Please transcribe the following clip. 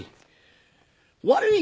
「悪い」